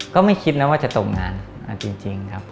ก็ไม่คิดนะว่าจะตกงานจริงครับ